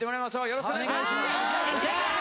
よろしくお願いします。